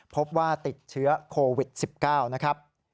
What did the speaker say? พบว่าติดเชื้อโควิด๑๙นะครับ